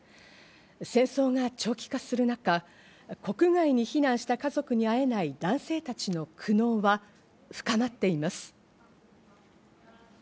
戦争が長期化する中、国外に避難した家族に会えない男性たちの苦悩は、深まっています。